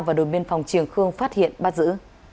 và đội biên phòng triển khương phát hiện bắt giữ